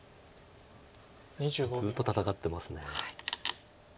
ずっと戦ってます。